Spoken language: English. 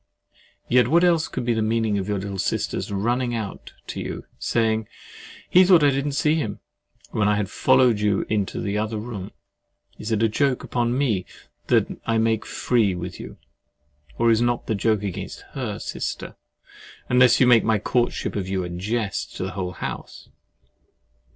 Yet what else could be the meaning of your little sister's running out to you, and saying "He thought I did not see him!" when I had followed you into the other room? Is it a joke upon me that I make free with you? Or is not the joke against HER sister, unless you make my courtship of you a jest to the whole house?